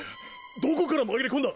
どこから紛れ込んだ！？